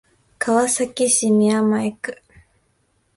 川崎市宮前区